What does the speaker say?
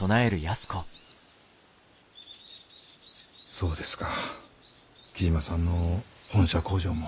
そうですか雉真さんの本社工場も。